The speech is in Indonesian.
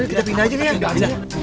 kita pindah aja ya